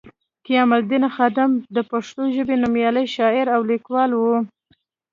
قیام الدین خادم د پښتو ژبې نومیالی شاعر او لیکوال وو